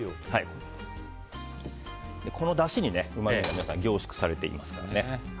このだしにうまみが凝縮されていますからね。